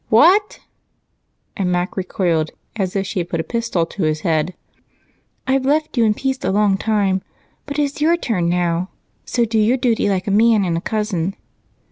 "What!" And Mac recoiled as if she had put a pistol to his head. "I've left you in peace a long time, but it is your turn now, so do your duty like a man and a cousin."